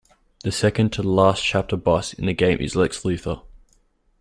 The second to the last chapter boss in the game is Lex Luthor.